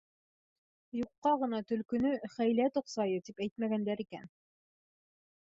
Юҡҡа ғына төлкөнө «хәйлә тоҡсайы» тип әйтмәгәндәр икән.